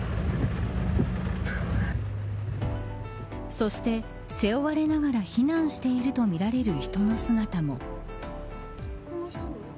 そして背負われながら避難しているとみられる人の姿も。